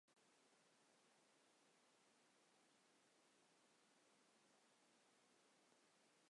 তিনি তার সামরিক জীবনের কথা স্মরণ করে সামরিক বাহিনীর সৈনিকদের জন্য বিশেষ ছাড়ের ব্যবস্থা করেন।